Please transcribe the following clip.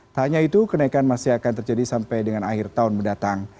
tak hanya itu kenaikan masih akan terjadi sampai dengan akhir tahun mendatang